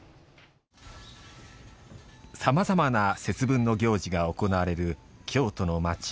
さまざまな節分の行事が行われる京都の町。